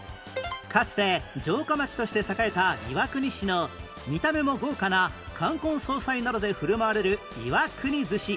かつて城下町として栄えた岩国市の見た目も豪華な冠婚葬祭などで振る舞われる岩国寿司